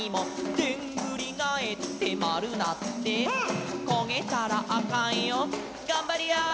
「でんぐりがえってまるなって」「こげたらあかんよがんばりやー」